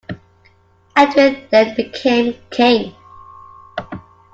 Edwin then became king.